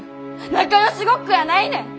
仲よしごっこやないねん！